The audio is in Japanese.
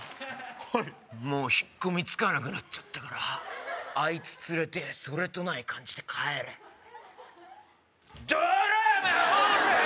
はいもう引っ込みつかなくなっちゃったからあいつ連れてそれとない感じで帰れどりゃ！